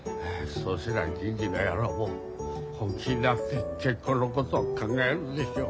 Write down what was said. そうすりゃ銀次の野郎も本気になって結婚のことを考えるでしょう。